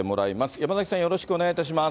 山崎さん、よろしくお願いいたします。